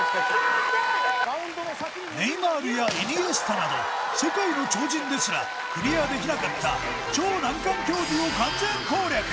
ネイマールやイニエスタなど世界の超人ですらクリアできなかった超難関競技を完全攻略